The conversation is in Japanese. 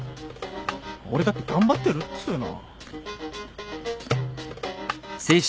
俺だって頑張ってるっつうの。